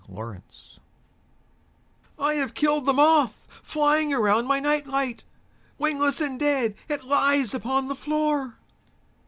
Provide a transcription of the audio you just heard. Moth Terror I HAVE killed the moth flying around my night light; wingless and dead it lies upon the floor.